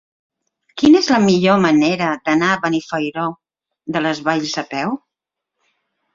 Quina és la millor manera d'anar a Benifairó de les Valls a peu?